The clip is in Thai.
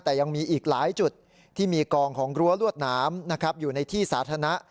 แต่ยังมีอีกหลายจุดที่มีกองของรั้วลวดหนามอยู่ในที่สาธารณะ